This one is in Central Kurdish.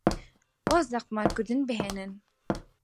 واز لە قومارکردن بهێنن.